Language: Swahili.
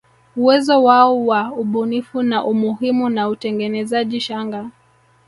Uwezo wao wa ubunifu na umuhimu wa utengenezaji shanga